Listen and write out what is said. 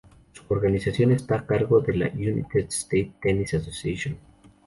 Su organización está a cargo de la United States Tennis Association.